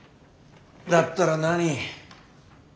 だったら何？